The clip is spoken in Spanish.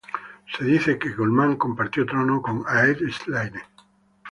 Se dice que Colmán compartió trono con Áed Sláine.